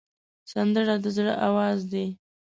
سندره د زړه آواز دی